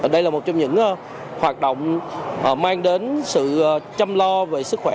đây là một trong những hoạt động mang đến sự chăm lo về sức khỏe